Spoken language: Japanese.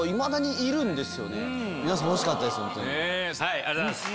ありがとうございます。